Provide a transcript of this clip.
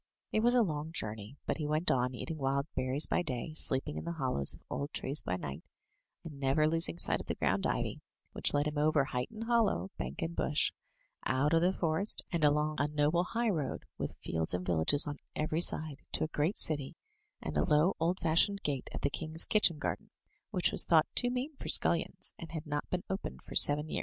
It was a long journey; but he went on, eating wild berries by day, sleep ing in the hollows of old trees by night, and never losing sight of the ground ivy, which led him over height and hollow, bank and bush, out of the forest, and along a noble high road, with fields and villages on every side, to a great city, and a low old fashioned gate of the king's kitchen garden, which was thought too mean for scullions, and had not been opened for seven years.